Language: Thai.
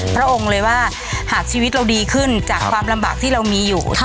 พระองค์เลยว่าหากชีวิตเราดีขึ้นจากความลำบากที่เรามีอยู่